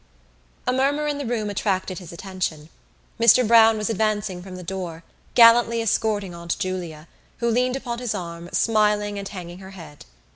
A murmur in the room attracted his attention. Mr Browne was advancing from the door, gallantly escorting Aunt Julia, who leaned upon his arm, smiling and hanging her head.